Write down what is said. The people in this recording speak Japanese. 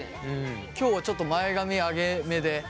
今日はちょっと前髪上げめで。